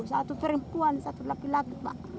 satu perempuan satu laki laki